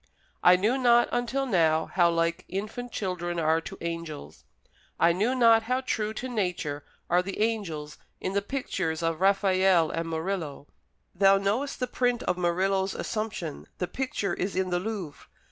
I knew not until now how like infant children are to angels. I knew not how true to nature are the angels in the pictures of Raffaelle and Murillo. Thou knowest the print of Murillo's Assumption; the picture is in the Louvre.